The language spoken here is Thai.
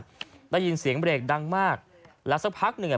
ได้ยินเสียงเบรกดังมากแล้วสักพักหนึ่งอ่ะ